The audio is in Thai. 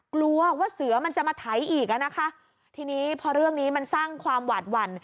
กลัวว่าเสือมันจะมาไถอีกอ่ะนะคะทีนี้พอเรื่องนี้มันสร้างความหวาดหวั่น